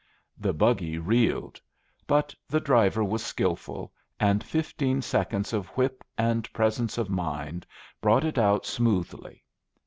The buggy reeled; but the driver was skilful, and fifteen seconds of whip and presence of mind brought it out smoothly.